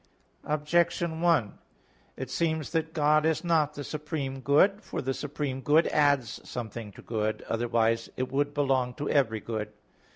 Objection 1: It seems that God is not the supreme good. For the supreme good adds something to good; otherwise it would belong to every good.